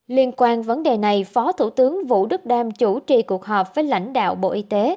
liên quan vấn đề này phó thủ tướng vũ đức đam chủ trì cuộc họp với lãnh đạo bộ y tế